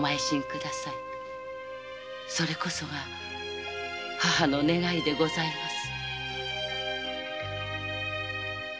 それこそが母の願いでございます。